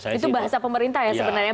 itu bahasa pemerintah ya sebenarnya